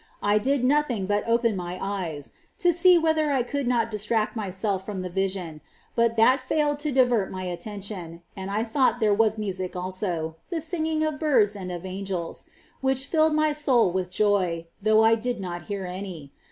I did nothing but open my eyes, to see whether I could not distract myself from the vision, but that failed to divert my attention ; and I thought there was music also, — the singing of birds and of angels, — which filled my soul with joy, though I did not hear any.